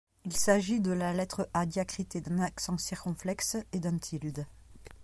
Il s’agit de la lettre A diacritée d’un accent circonflexe et d’un tilde.